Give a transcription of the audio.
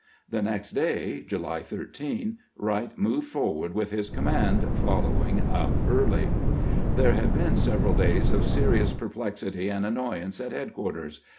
The next day (July 13) "Wright moved forward with his command, following up Early. There had been several days of serious perplexity and annoyance at headquarters.